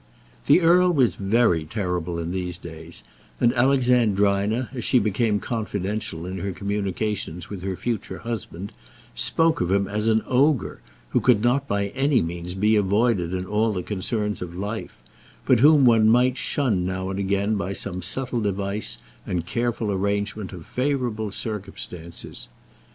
The earl was very terrible in these days, and Alexandrina, as she became confidential in her communications with her future husband, spoke of him as of an ogre, who could not by any means be avoided in all the concerns of life, but whom one might shun now and again by some subtle device and careful arrangement of favourable circumstances.